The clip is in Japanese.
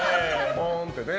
ポーンって。